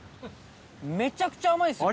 めちゃくちゃ甘いです。